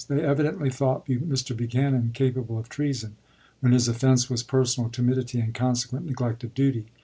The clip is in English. They evidently thought Mr. Buchanan capable of treason, when his offense was personal timidity and consequent neglect of duty.